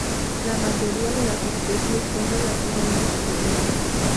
La mayoría de las especies son relativamente pequeñas.